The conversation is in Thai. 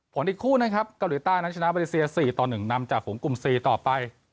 ผลอีกคู่นะครับเกาหลีใต้นั้นชนะบริเศษ๔๑นำจากหุมกุม๔ต่อไป